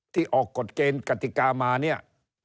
ที่ออกกฎเกณฑ์กติกามาเนี่ย